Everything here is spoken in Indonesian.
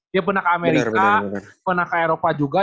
dia pernah ke amerika pernah ke eropa juga